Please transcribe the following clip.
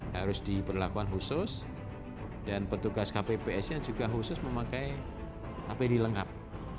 harus diberlakukan khusus dan petugas kppsnya juga khusus memakai hpd lengkap